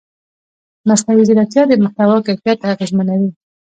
مصنوعي ځیرکتیا د محتوا کیفیت اغېزمنوي.